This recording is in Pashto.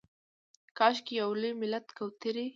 کاشکي یو لوی ملت کوترې